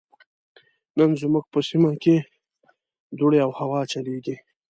نن زموږ په سيمه کې دوړې او هوا چليږي.